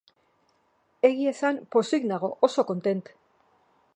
Egia esan, pozik nago, oso kontent.